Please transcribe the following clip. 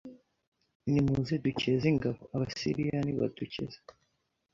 nimuze dukeze ingabo Abasiriya nibadukiza